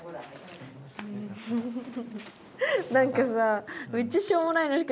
何かさ